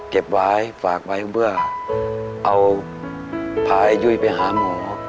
เก็บไว้ฝากไว้เพื่อเอาพาไอ้ยุ้ยไปหาหมอ